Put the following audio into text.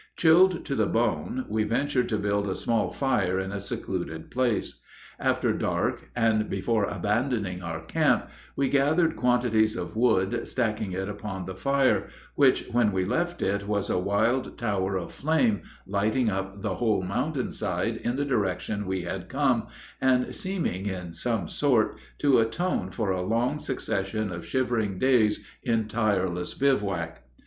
Chilled to the bone, we ventured to build a small fire in a secluded place. After dark and before abandoning our camp, we gathered quantities of wood, stacking it upon the fire, which when we left it was a wild tower of flame lighting up the whole mountain side in the direction we had come, and seeming, in some sort, to atone for a long succession of shivering days in tireless bivouac.